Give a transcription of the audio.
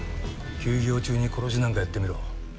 休業中に殺しなんかやってみろ。